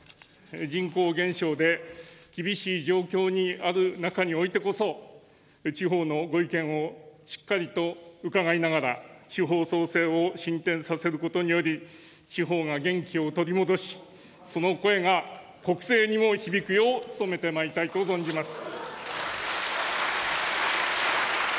人口減少で厳しい状況にある中においてこそ、地方のご意見をしっかりと伺いながら地方創生を進展させることにより、地方が元気を取り戻し、その声が国政にも響くよう努めてまいりたいと存じます。